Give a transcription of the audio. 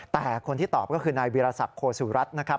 แต่คนที่ตอบก็คือนายวิรสักโคสุรัตน์นะครับ